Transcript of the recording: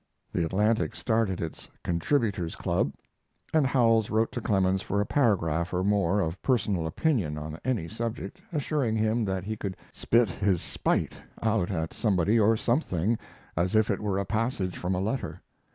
The Atlantic started its "Contributors' Club," and Howells wrote to Clemens for a paragraph or more of personal opinion on any subject, assuring him that he could "spit his spite" out at somebody or something as if it were a passage from a letter.